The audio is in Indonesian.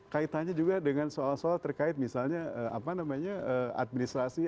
kaitannya juga dengan soal soal terkait misalnya apa namanya administrasi